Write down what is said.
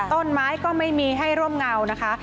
ต้นไม้ก็ไม่มีให้ร่มเงานะคะ